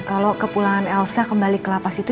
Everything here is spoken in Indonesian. kalau kepulangan elsa kembali ke lapas itu